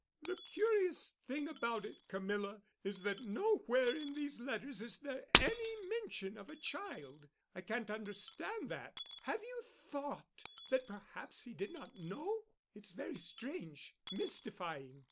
"The curious thing about it, Camilla, is that nowhere in these letters is there any mention of a child. I can't understand that. Have you thought—that perhaps he did not know? It's very strange, mystifying.